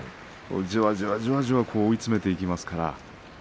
じわじわじわじわと追い詰めていきますから。